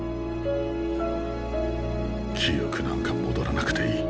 記憶なんか戻らなくていい。